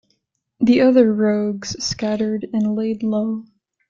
The other Rogues scattered and laid low.